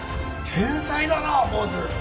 天才だな坊主